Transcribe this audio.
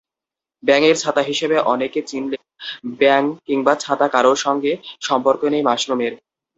ব্যাঙের ছাতা হিসেবে অনেকে চিনলেও, ব্যাঙ কিংবা ছাতা কারও সঙ্গে সম্পর্ক নেই মাশরুমের।